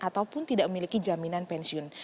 ataupun tidak memiliki jaminan pensiun